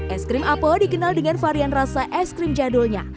es krim apo dikenal dengan varian rasa es krim jadulnya